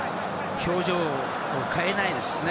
表情を変えないですね